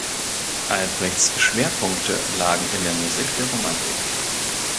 Albrechts Schwerpunkte lagen in der Musik der Romantik.